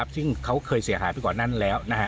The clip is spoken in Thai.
ซึ่งเขาเคยเสียหายไปกว่านั้นแล้ว